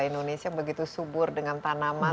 indonesia begitu subur dengan tanaman